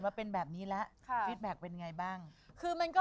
อันนี้ประมาณ๑๘นาที